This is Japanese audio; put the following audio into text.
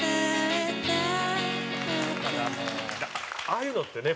ああいうのってね